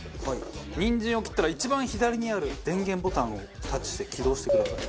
にんじんを切ったら一番左にある電源ボタンをタッチして起動してください。